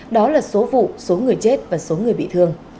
đó là số vụ số người chết và số người bị thương